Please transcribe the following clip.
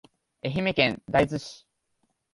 愛媛県大洲市